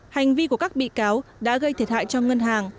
hành vi của các bị cáo đã gây thiệt hại cho ngân hàng